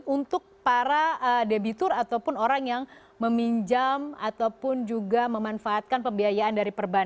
untuk para debitur ataupun orang yang meminjam ataupun juga memanfaatkan pembiayaan dari perbankan